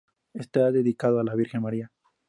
Está dedicado a la Virgen María.